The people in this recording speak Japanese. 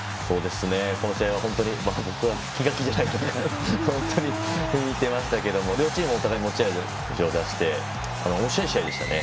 この試合は本当に僕も気が気じゃなくて本当に見てましたけれども両チーム、お互い持ち味を出しておもしろい試合でしたね。